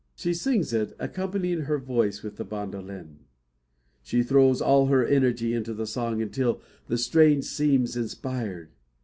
She sings it, accompanying her voice with the bandolin. She throws all her energy into the song until the strain seems inspired.